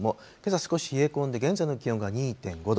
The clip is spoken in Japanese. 少し冷え込んで、現在の気温が２．５度。